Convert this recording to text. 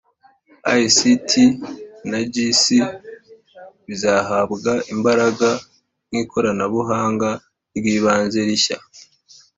ict na gis bizahabwa imbaraga nk'ikoranabuhanga ry'ibanze rishya